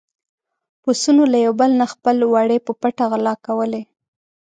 پسونو له يو بل نه خپل وړي په پټه غلا کولې.